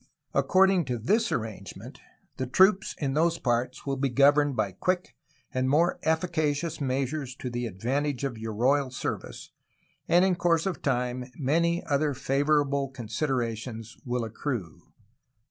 According to this arrangement the troops in those parts will be governed by quick and more effica cious measures to the advantage of your royal service, and in course of time many other favorable considerations will accrue."